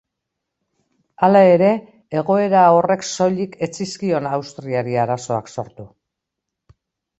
Hala ere, egoera horrek soilik ez zizkion Austriari arazoak sortu.